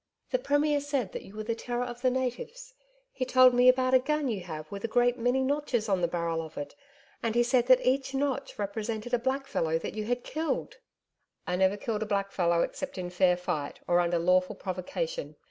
'The Premier said that you were the terror of the natives. He told me about a gun you have with a great many notches on the barrel of it, and he said that each notch represented a black fellow that you had killed.' 'I never killed a black fellow except in fair fight, or under lawful provocation.